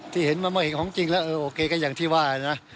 ที่เห็นเมื่อเห็นของจริงแล้วเออโอเคก็อย่างที่ว่านะ